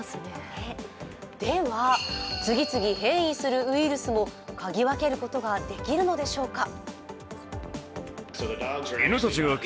では、次々変異するウイルスもかぎ分けることができるのでしょうか。